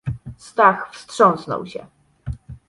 "Stach wstrząsnął się."